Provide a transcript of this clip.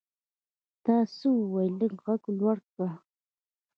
تا څه وویل ؟ لږ ږغ لوړ کړه !